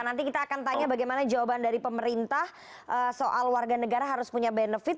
nanti kita akan tanya bagaimana jawaban dari pemerintah soal warga negara harus punya benefit